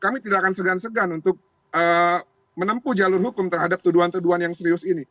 kami tidak akan segan segan untuk menempuh jalur hukum terhadap tuduhan tuduhan yang serius ini